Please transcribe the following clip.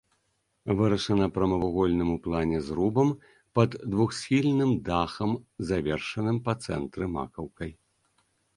Вырашана прамавугольным у плане зрубам пад двухсхільным дахам, завершаным па цэнтры макаўкай.